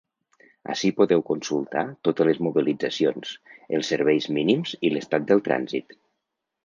Ací podeu consultar totes les mobilitzacions, els serveis mínims i l’estat del trànsit.